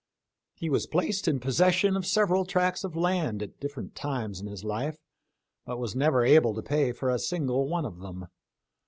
He was placed in possession of several tracts of land at different times in his life, but was never able to pay for a single one of them.